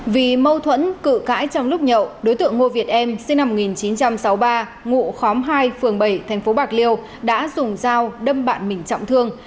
vì mâu thuẫn cự cãi trong lúc nhậu đối tượng ngô việt em sinh năm một nghìn chín trăm sáu mươi ba ngụ khóm hai phường bảy tp bạc liêu đã dùng dao đâm bạn mình trọng thương